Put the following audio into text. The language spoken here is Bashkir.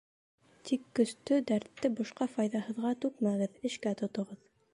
Тик көстө, дәртте бушҡа, файҙаһыҙға түкмәгеҙ, эшкә тотоғоҙ.